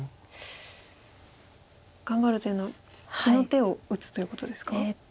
頑張るというのは地の手を打つということですか？